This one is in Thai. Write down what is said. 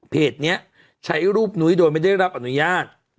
เพจนี้ใช้รูปนุ้ยโดยไม่ได้รับอนุญาต